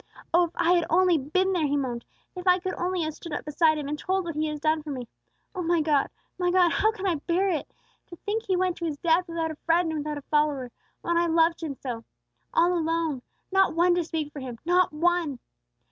"Oh, if I had only been there!" he moaned. "If I could only have stood up beside Him and told what He had done for me! O my God! My God! How can I bear it? To think He went to His death without a friend and without a follower, when I loved Him so! All alone! Not one to speak for Him, not one!"